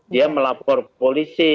dia melapor polisi